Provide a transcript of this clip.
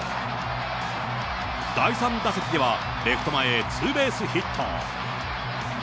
第３打席では、レフト前へツーベースヒット。